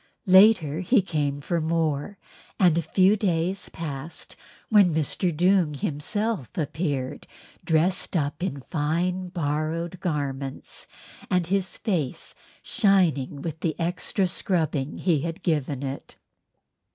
Later he came for more and a few days passed when Mr. Doong himself appeared dressed up in fine borrowed garments, and his face shining with the extra rubbing he had given it.